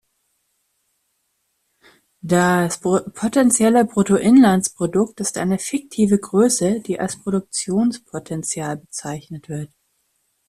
Das potenzielle Bruttoinlandsprodukt ist eine fiktive Größe, die als Produktionspotenzial bezeichnet wird.